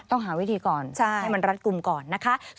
หาวิธีก่อนให้มันรัดกลุ่มก่อนนะคะ